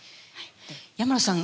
山野さん